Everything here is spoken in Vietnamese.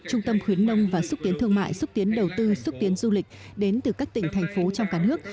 trung tâm khuyến nông và xúc tiến thương mại xúc tiến đầu tư xúc tiến du lịch đến từ các tỉnh thành phố trong cả nước